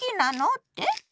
って？